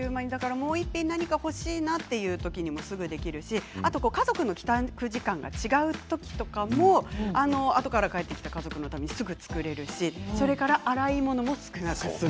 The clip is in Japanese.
もう一品何か欲しいというときもすぐできるし家族の帰宅時間が違うときとかもあとから帰ってきた家族のためにすぐ作れるしそれから洗い物も少なくて済む。